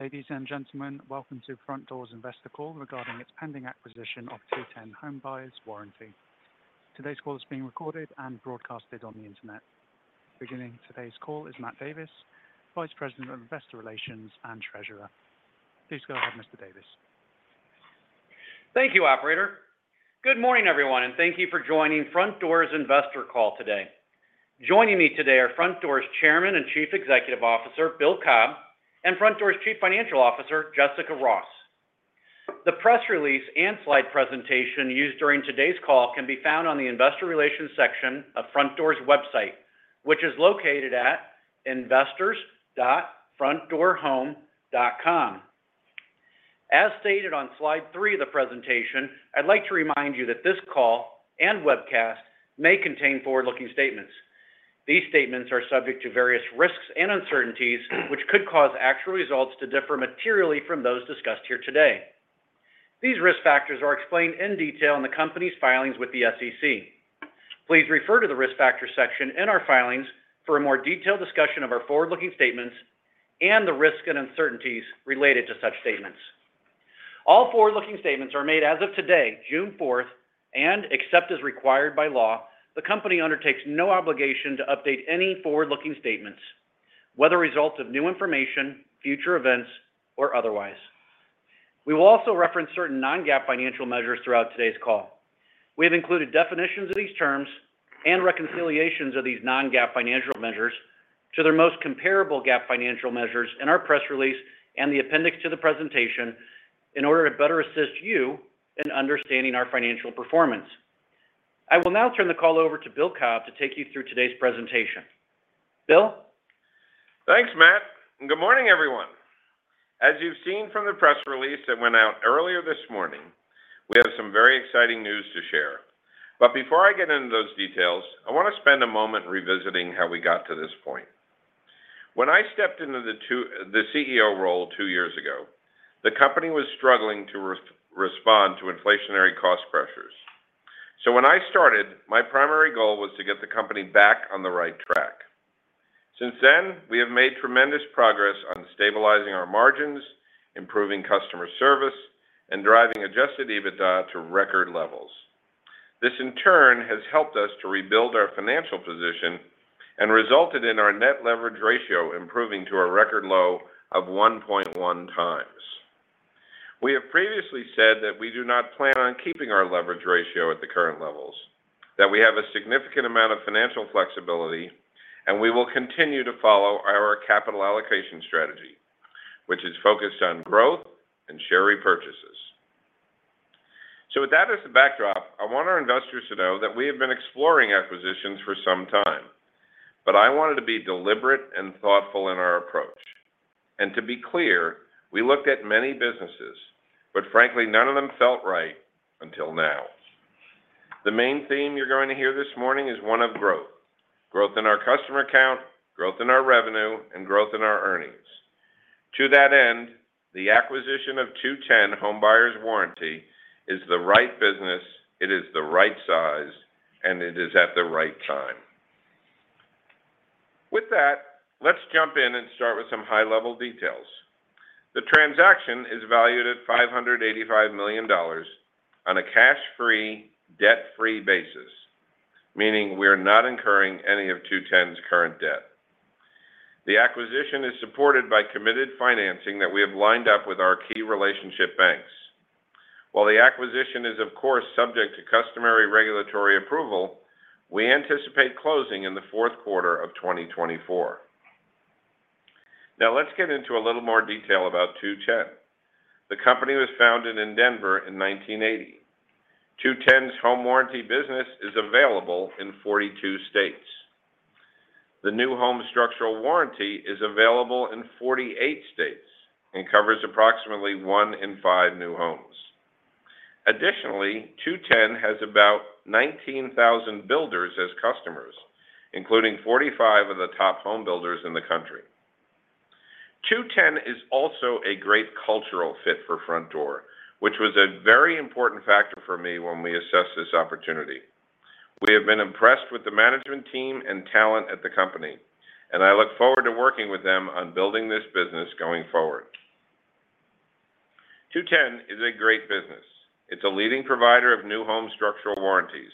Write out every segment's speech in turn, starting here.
Ladies and gentlemen, welcome to Frontdoor's Investor Call regarding its pending acquisition of 2-10 Home Buyers Warranty. Today's call is being recorded and broadcasted on the internet. Beginning today's call is Matt Davis, Vice President of Investor Relations and Treasurer. Please go ahead, Mr. Davis. Thank you, operator. Good morning, everyone, and thank you for joining Frontdoor's Investor Call today. Joining me today are Frontdoor's Chairman and Chief Executive Officer, Bill Cobb, and Frontdoor's Chief Financial Officer, Jessica Ross. The press release and slide presentation used during today's call can be found on the Investor Relations section of Frontdoor's website, which is located at investors.frontdoorhome.com. As stated on slide three of the presentation, I'd like to remind you that this call and webcast may contain forward-looking statements. These statements are subject to various risks and uncertainties, which could cause actual results to differ materially from those discussed here today. These risk factors are explained in detail in the company's filings with the SEC. Please refer to the Risk Factors section in our filings for a more detailed discussion of our forward-looking statements and the risks and uncertainties related to such statements. All forward-looking statements are made as of today, June fourth, and except as required by law, the company undertakes no obligation to update any forward-looking statements, whether a result of new information, future events, or otherwise. We will also reference certain non-GAAP financial measures throughout today's call. We have included definitions of these terms and reconciliations of these non-GAAP financial measures to their most comparable GAAP financial measures in our press release and the appendix to the presentation in order to better assist you in understanding our financial performance. I will now turn the call over to Bill Cobb to take you through today's presentation. Bill? Thanks, Matt, and good morning, everyone. As you've seen from the press release that went out earlier this morning, we have some very exciting news to share. But before I get into those details, I want to spend a moment revisiting how we got to this point. When I stepped into the CEO role two years ago, the company was struggling to respond to inflationary cost pressures. So when I started, my primary goal was to get the company back on the right track. Since then, we have made tremendous progress on stabilizing our margins, improving customer service, and driving Adjusted EBITDA to record levels. This, in turn, has helped us to rebuild our financial position and resulted in our net leverage ratio improving to a record low of 1.1 times. We have previously said that we do not plan on keeping our leverage ratio at the current levels, that we have a significant amount of financial flexibility, and we will continue to follow our capital allocation strategy, which is focused on growth and share repurchases. So with that as the backdrop, I want our investors to know that we have been exploring acquisitions for some time, but I wanted to be deliberate and thoughtful in our approach. And to be clear, we looked at many businesses, but frankly, none of them felt right until now. The main theme you're going to hear this morning is one of growth, growth in our customer count, growth in our revenue, and growth in our earnings. To that end, the acquisition of 2-10 Home Buyers Warranty is the right business, it is the right size, and it is at the right time. With that, let's jump in and start with some high-level details. The transaction is valued at $585 million on a cash-free, debt-free basis, meaning we are not incurring any of 2-10's current debt. The acquisition is supported by committed financing that we have lined up with our key relationship banks. While the acquisition is, of course, subject to customary regulatory approval, we anticipate closing in the fourth quarter of 2024. Now, let's get into a little more detail about 2-10. The company was founded in Denver in 1980. 2-10's home warranty business is available in 42 states. The new home structural warranty is available in 48 states and covers approximately one in five new homes. Additionally, 2-10 has about 19,000 builders as customers, including 45 of the top home builders in the country. 2-10 is also a great cultural fit for Frontdoor, which was a very important factor for me when we assessed this opportunity. We have been impressed with the management team and talent at the company, and I look forward to working with them on building this business going forward. 2-10 is a great business. It's a leading provider of new home structural warranties.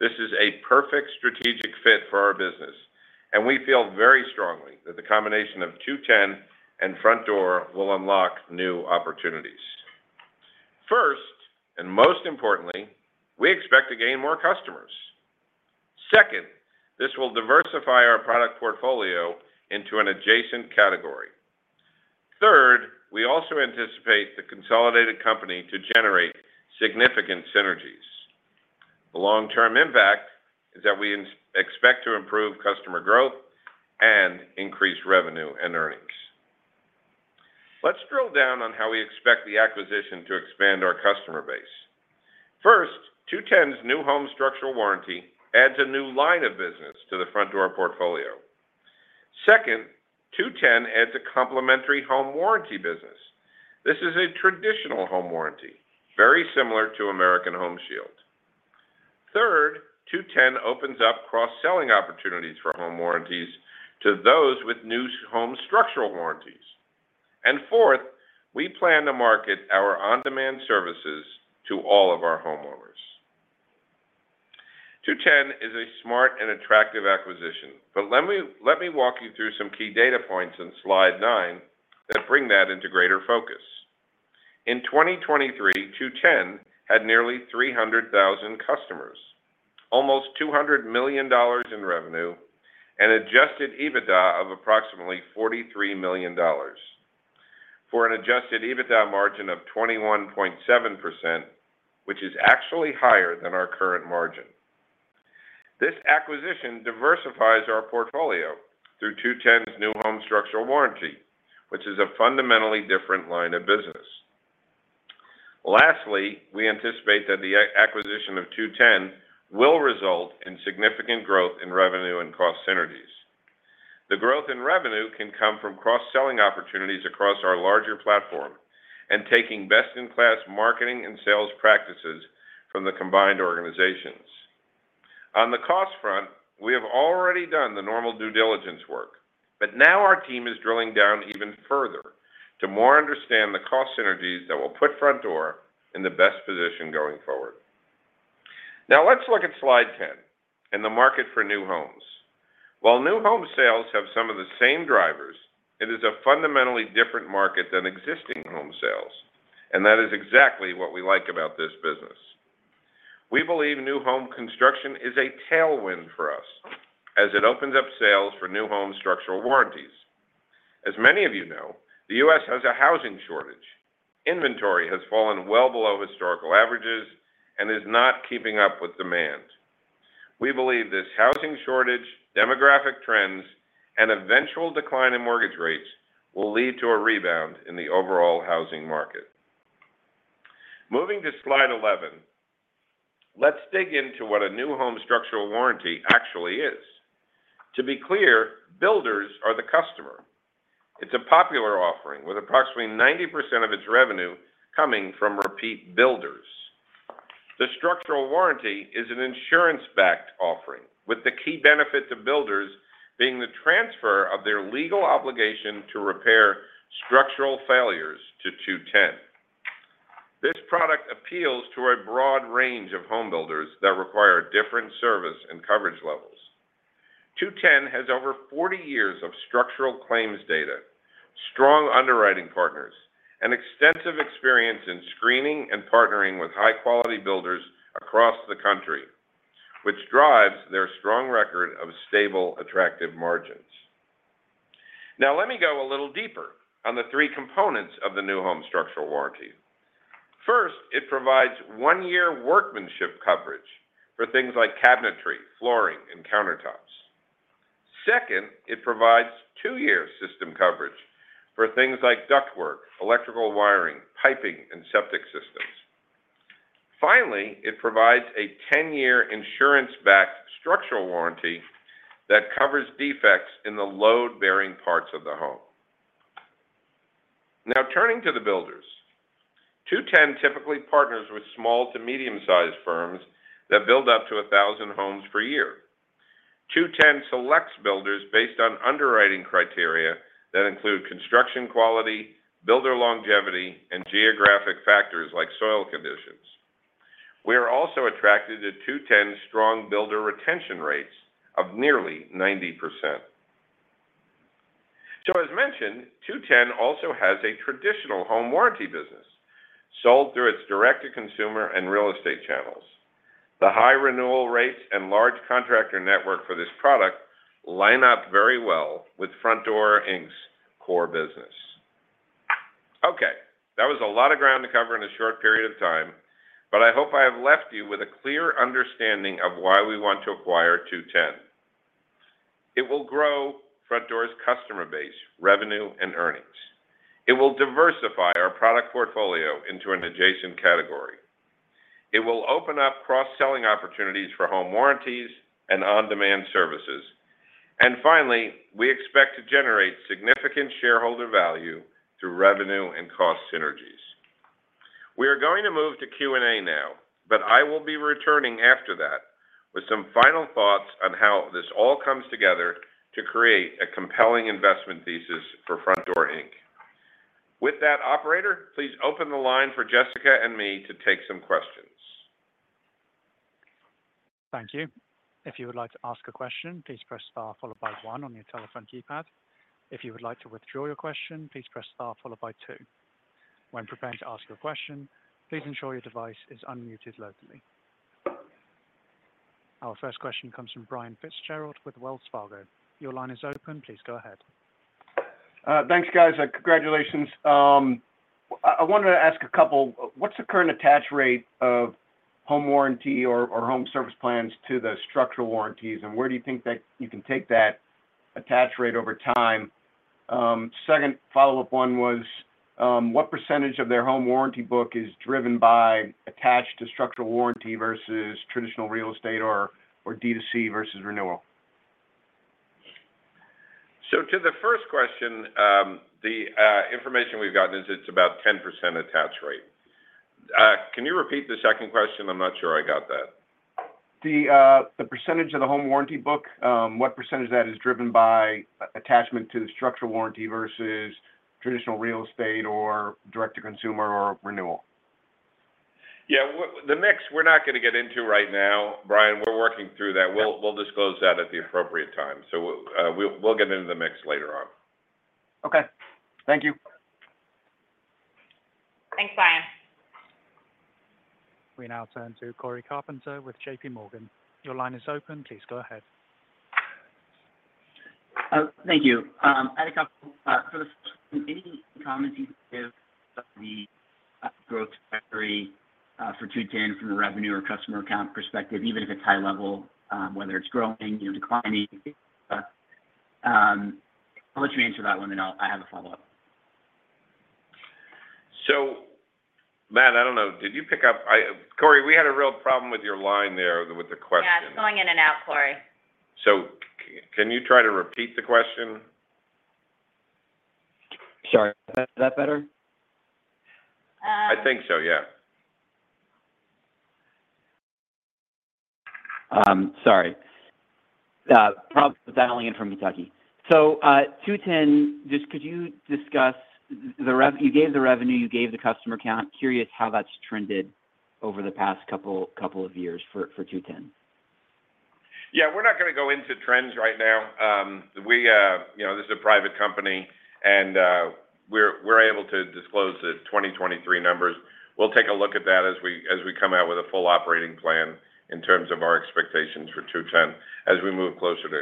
This is a perfect strategic fit for our business, and we feel very strongly that the combination of 2-10 and Frontdoor will unlock new opportunities. First, and most importantly, we expect to gain more customers. Second, this will diversify our product portfolio into an adjacent category. Third, we also anticipate the consolidated company to generate significant synergies. The long-term impact is that we expect to improve customer growth and increase revenue and earnings. Let's drill down on how we expect the acquisition to expand our customer base. First, 2-10's new home structural warranty adds a new line of business to the Frontdoor portfolio. Second, 2-10 adds a complementary home warranty business. This is a traditional home warranty, very similar to American Home Shield. Third, 2-10 opens up cross-selling opportunities for home warranties to those with new home structural warranties. And fourth, we plan to market our on-demand services to all of our homeowners. 2-10 is a smart and attractive acquisition, but let me, let me walk you through some key data points in slide 9 that bring that into greater focus. In 2023, 2-10 had nearly 300,000 customers, almost $200 million in revenue, and adjusted EBITDA of approximately $43 million, for an adjusted EBITDA margin of 21.7%, which is actually higher than our current margin. This acquisition diversifies our portfolio through 2-10's new home structural warranty, which is a fundamentally different line of business. Lastly, we anticipate that the acquisition of 2-10 will result in significant growth in revenue and cost synergies. The growth in revenue can come from cross-selling opportunities across our larger platform and taking best-in-class marketing and sales practices from the combined organizations. On the cost front, we have already done the normal due diligence work, but now our team is drilling down even further to more understand the cost synergies that will put Frontdoor in the best position going forward. Now let's look at slide 10 and the market for new homes. While new home sales have some of the same drivers, it is a fundamentally different market than existing home sales, and that is exactly what we like about this business. We believe new home construction is a tailwind for us as it opens up sales for new home structural warranties. As many of you know, the U.S. has a housing shortage. Inventory has fallen well below historical averages and is not keeping up with demand. We believe this housing shortage, demographic trends, and eventual decline in mortgage rates will lead to a rebound in the overall housing market. Moving to slide 11, let's dig into what a new home structural warranty actually is. To be clear, builders are the customer. It's a popular offering, with approximately 90% of its revenue coming from repeat builders. The structural warranty is an insurance-backed offering, with the key benefit to builders being the transfer of their legal obligation to repair structural failures to 2-10. This product appeals to a broad range of home builders that require different service and coverage levels. 2-10 has over 40 years of structural claims data, strong underwriting partners, and extensive experience in screening and partnering with high-quality builders across the country, which drives their strong record of stable, attractive margins. Now, let me go a little deeper on the three components of the new home structural warranty. First, it provides one-year workmanship coverage for things like cabinetry, flooring, and countertops. Second, it provides two-year system coverage for things like ductwork, electrical wiring, piping, and septic systems. Finally, it provides a ten-year insurance-backed structural warranty that covers defects in the load-bearing parts of the home. Now, turning to the builders. 2-10 typically partners with small to medium-sized firms that build up to 1,000 homes per year. 2-10 selects builders based on underwriting criteria that include construction quality, builder longevity, and geographic factors like soil conditions. We are also attracted to 2-10's strong builder retention rates of nearly 90%. As mentioned, 2-10 also has a traditional home warranty business sold through its direct-to-consumer and real estate channels. The high renewal rates and large contractor network for this product line up very well with Frontdoor, Inc.'s core business. Okay, that was a lot of ground to cover in a short period of time, but I hope I have left you with a clear understanding of why we want to acquire 2-10. It will grow Frontdoor's customer base, revenue, and earnings. It will diversify our product portfolio into an adjacent category. It will open up cross-selling opportunities for home warranties and on-demand services. And finally, we expect to generate significant shareholder value through revenue and cost synergies. We are going to move to Q&A now, but I will be returning after that with some final thoughts on how this all comes together to create a compelling investment thesis for Frontdoor, Inc. With that, operator, please open the line for Jessica and me to take some questions. Thank you. If you would like to ask a question, please press star followed by one on your telephone keypad. If you would like to withdraw your question, please press star followed by two. When preparing to ask a question, please ensure your device is unmuted locally. Our first question comes from Brian Fitzgerald with Wells Fargo. Your line is open. Please go ahead. Thanks, guys. Congratulations. I wanted to ask a couple. What's the current attach rate of home warranty or home service plans to the structural warranties, and where do you think that you can take that attach rate over time? Second follow-up one was, what percentage of their home warranty book is driven by attached to structural warranty versus traditional real estate or D2C versus renewal? So to the first question, the information we've gotten is it's about 10% attach rate. Can you repeat the second question? I'm not sure I got that. The percentage of the home warranty book, what percentage of that is driven by attachment to the structural warranty versus traditional real estate, or direct-to-consumer, or renewal? Yeah, the mix we're not gonna get into right now, Brian. We're working through that. Yeah. We'll, we'll disclose that at the appropriate time. So we'll, we'll get into the mix later on. Okay. Thank you. Thanks, Brian. We now turn to Corey Carpenter with J.P. Morgan. Your line is open. Please go ahead. Thank you. I had a couple. First, any comments you'd give about the growth factory for 2-10 from the revenue or customer account perspective, even if it's high level, whether it's growing, you know, declining? I'll let you answer that one, and I'll- I have a follow-up. So, Matt, I don't know, did you pick up? Corey, we had a real problem with your line there, with the question. Yeah, it's going in and out, Corey. So, can you try to repeat the question? Sorry, is that better? Uh- I think so, yeah. Sorry, problems with dialing in from Kentucky. 2-10, just could you discuss—you gave the revenue, you gave the customer count. Curious how that's trended over the past couple of years for 2-10? Yeah, we're not gonna go into trends right now. You know, this is a private company, and we're able to disclose the 2023 numbers. We'll take a look at that as we come out with a full operating plan in terms of our expectations for 2-10, as we move closer to.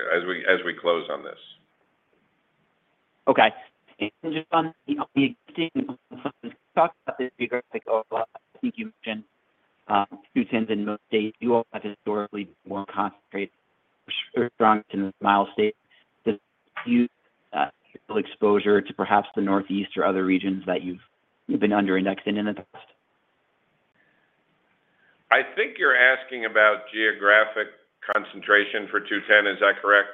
As we close on this. Okay. Just on the existing, talk about this. I think you mentioned 2-10 in most states. You all have historically been more concentrated, strong in the Smile States. Does your exposure to perhaps the Northeast or other regions that you've been under indexed in in the past? I think you're asking about geographic concentration for 2-10. Is that correct?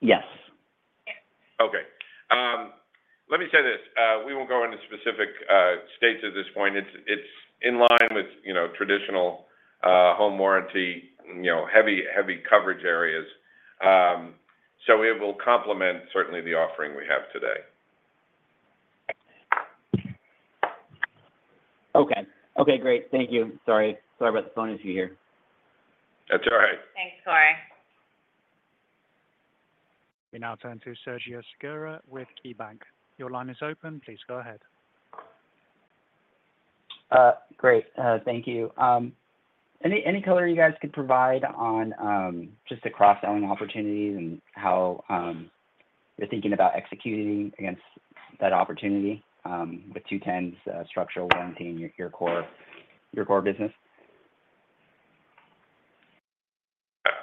Yes. Yes. Okay. Let me say this, we won't go into specific states at this point. It's, it's in line with, you know, traditional home warranty, you know, heavy, heavy coverage areas. So it will complement certainly the offering we have today. Okay. Okay, great. Thank you. Sorry, sorry about the phone issue here. That's all right. Thanks, Corey. We now turn to Sergio Segura with KeyBanc. Your line is open. Please go ahead. Great. Thank you. Any color you guys could provide on just the cross-selling opportunities and how you're thinking about executing against that opportunity with 2-10's structural warranty and your core business?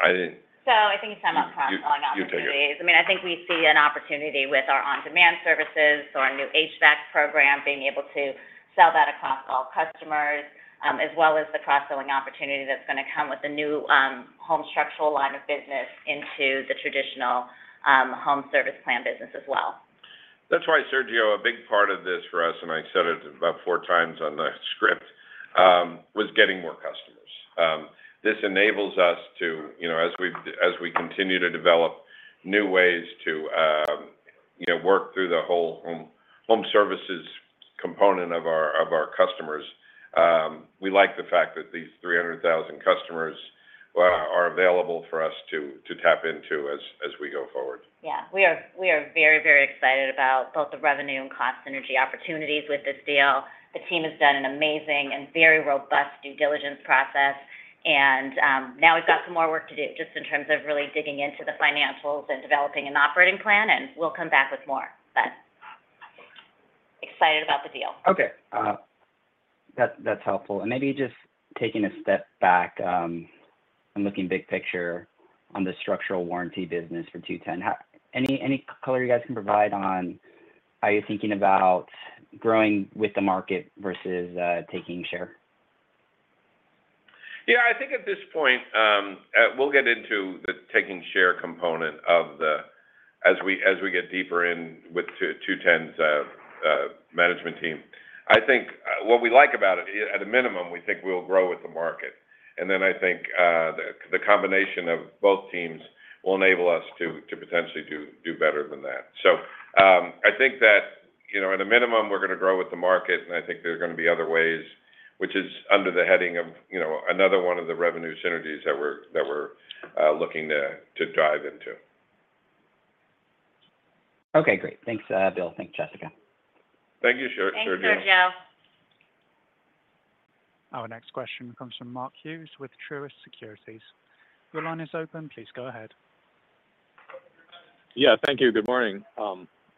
I didn't- I think you sum up cross-selling opportunities. You take it. I mean, I think we see an opportunity with our on-demand services or our new HVAC program, being able to sell that across all customers, as well as the cross-selling opportunity that's gonna come with the new home structural line of business into the traditional home service plan business as well. That's why, Sergio, a big part of this for us, and I said it about four times on the script, was getting more customers. This enables us to, you know, as we, as we continue to develop new ways to, you know, work through the whole home, home services component of our, of our customers. We like the fact that these 300,000 customers, well, are available for us to, to tap into as, as we go forward. Yeah. We are, we are very, very excited about both the revenue and cost synergy opportunities with this deal. The team has done an amazing and very robust due diligence process, and now we've got some more work to do just in terms of really digging into the financials and developing an operating plan, and we'll come back with more. But excited about the deal. Okay. That's helpful. Maybe just taking a step back and looking big picture on the structural warranty business for 2-10. Any color you guys can provide on, are you thinking about growing with the market versus taking share? Yeah, I think at this point, we'll get into the taking share component as we get deeper in with 2-10's management team. I think what we like about it, at a minimum, we think we'll grow with the market. And then I think the combination of both teams will enable us to potentially do better than that. So, I think that, you know, at a minimum, we're gonna grow with the market, and I think there are gonna be other ways, which is under the heading of, you know, another one of the revenue synergies that we're looking to dive into. Okay, great. Thanks, Bill. Thanks, Jessica. Thank you, Sergio. Thanks, Sergio. Our next question comes from Mark Hughes with Truist Securities. Your line is open. Please go ahead. Yeah, thank you. Good morning.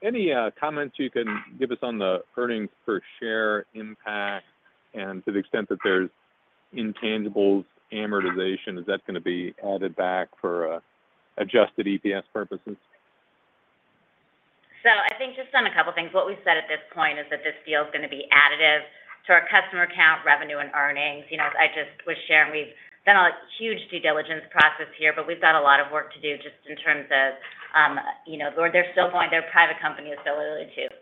Any comments you can give us on the earnings per share impact, and to the extent that there's intangibles amortization, is that gonna be added back for adjusted EPS purposes? So I think just on a couple of things, what we've said at this point is that this deal is going to be additive to our customer count, revenue, and earnings. You know, I just was sharing, we've done a huge due diligence process here, but we've got a lot of work to do just in terms of, you know, they're still going-- they're a private company, so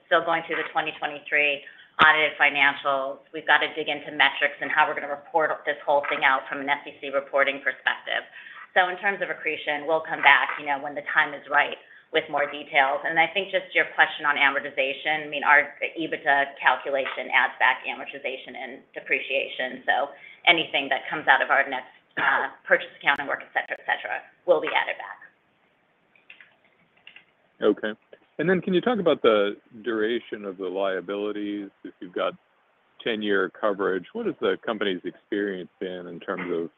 still going through the 2023 audited financials. We've got to dig into metrics and how we're going to report this whole thing out from an SEC reporting perspective. So in terms of accretion, we'll come back, you know, when the time is right with more details. And I think just your question on amortization, I mean, our EBITDA calculation adds back amortization and depreciation. Anything that comes out of our next purchase accounting work, et cetera, et cetera, will be added back. Okay. And then can you talk about the duration of the liabilities? If you've got 10-year coverage, what is the company's experience been in terms of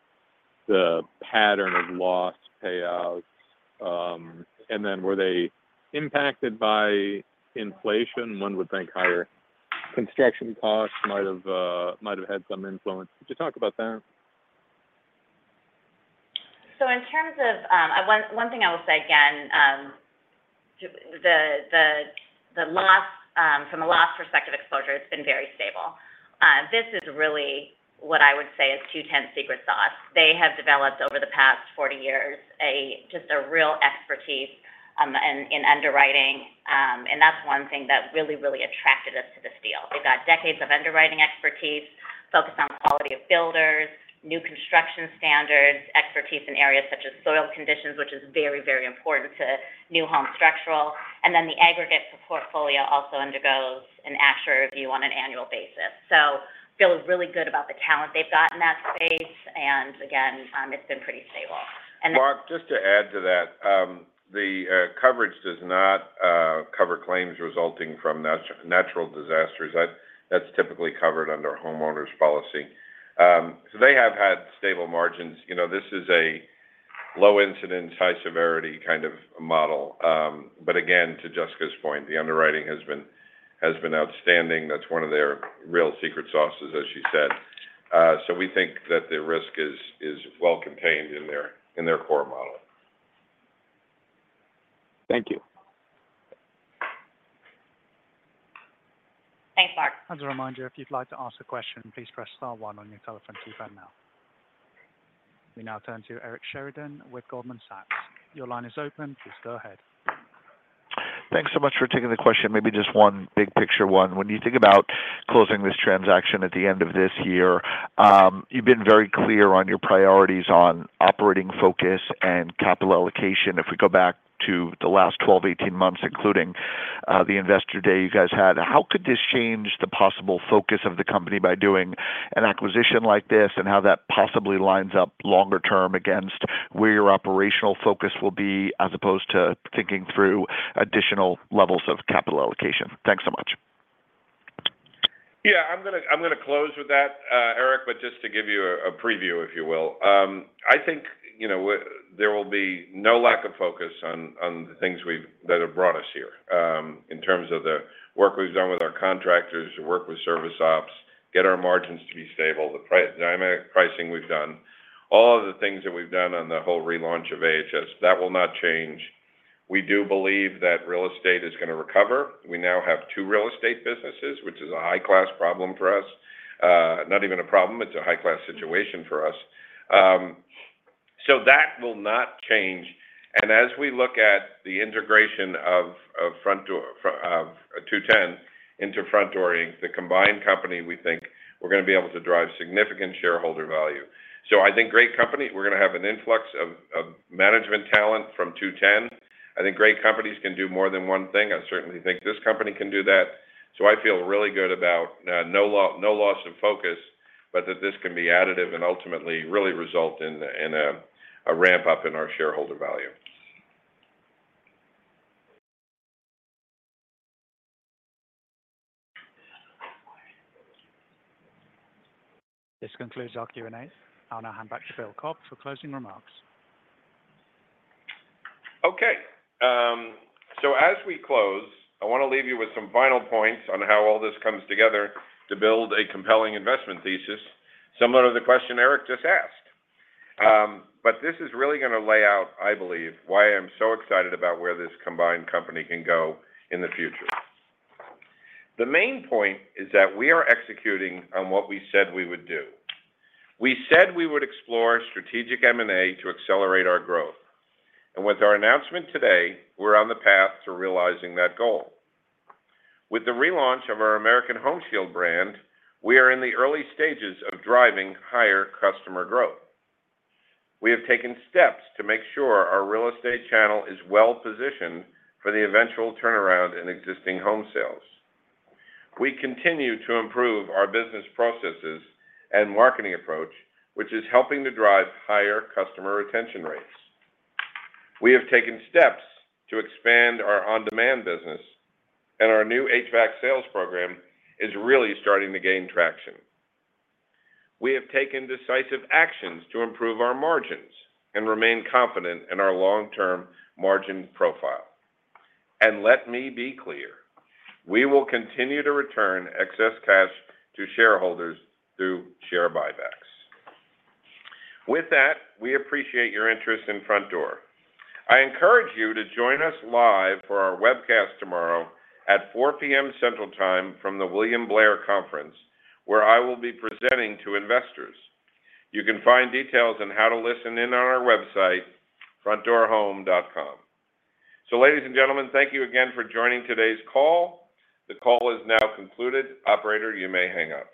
the pattern of loss payouts? And then were they impacted by inflation? One would think higher construction costs might have had some influence. Could you talk about that? So in terms of, one thing I will say again, the loss from a loss perspective, exposure, it's been very stable. This is really what I would say is 2-10 secret sauce. They have developed over the past 40 years just a real expertise in underwriting, and that's one thing that really, really attracted us to this deal. They got decades of underwriting expertise focused on the quality of builders, new construction standards, expertise in areas such as soil conditions, which is very, very important to new home structural. And then the aggregate portfolio also undergoes an actuarial review on an annual basis. So feel really good about the talent they've got in that space. And again, it's been pretty stable. And- Mark, just to add to that, the coverage does not cover claims resulting from natural disasters. That's typically covered under homeowners policy. So they have had stable margins. You know, this is a low incident, high severity kind of model. But again, to Jessica's point, the underwriting has been outstanding. That's one of their real secret sauces, as she said. So we think that the risk is well contained in their core model. Thank you. Thanks, Mark. As a reminder, if you'd like to ask a question, please press star one on your telephone keypad now. We now turn to Eric Sheridan with Goldman Sachs. Your line is open. Please go ahead. Thanks so much for taking the question. Maybe just one big picture one. When you think about closing this transaction at the end of this year, you've been very clear on your priorities on operating focus and capital allocation. If we go back to the last 12, 18 months, including the Investor day you guys had, how could this change the possible focus of the company by doing an acquisition like this? And how that possibly lines up longer term against where your operational focus will be, as opposed to thinking through additional levels of capital allocation? Thanks so much. Yeah, I'm gonna, I'm gonna close with that, Eric, but just to give you a preview, if you will. I think, you know, there will be no lack of focus on the things we've-- that have brought us here, in terms of the work we've done with our contractors, work with service ops, get our margins to be stable, the price, dynamic pricing we've done, all of the things that we've done on the whole relaunch of AHS, that will not change. We do believe that real estate is going to recover. We now have two real estate businesses, which is a high-class problem for us. Not even a problem, it's a high-class situation for us. So that will not change. As we look at the integration of 2-10 into Frontdoor, Inc., the combined company, we think we're going to be able to drive significant shareholder value. So I think great company. We're going to have an influx of management talent from 2-10. I think great companies can do more than one thing. I certainly think this company can do that. So I feel really good about no loss of focus, but that this can be additive and ultimately really result in a ramp up in our shareholder value. This concludes our Q&A. I'll now hand back to Bill Cobb for closing remarks. Okay, so as we close, I want to leave you with some final points on how all this comes together to build a compelling investment thesis, similar to the question Eric just asked. But this is really going to lay out, I believe, why I'm so excited about where this combined company can go in the future. The main point is that we are executing on what we said we would do. We said we would explore strategic M&A to accelerate our growth. And with our announcement today, we're on the path to realizing that goal. With the relaunch of our American Home Shield brand, we are in the early stages of driving higher customer growth. We have taken steps to make sure our real estate channel is well-positioned for the eventual turnaround in existing home sales. We continue to improve our business processes and marketing approach, which is helping to drive higher customer retention rates. We have taken steps to expand our on-demand business, and our new HVAC sales program is really starting to gain traction. We have taken decisive actions to improve our margins and remain confident in our long-term margin profile. And let me be clear, we will continue to return excess cash to shareholders through share buybacks. With that, we appreciate your interest in Frontdoor. I encourage you to join us live for our webcast tomorrow at 4:00 P.M. Central time from the William Blair Conference, where I will be presenting to investors. You can find details on how to listen in on our website, frontdoorhome.com. So ladies and gentlemen, thank you again for joining today's call. The call is now concluded. Operator, you may hang up.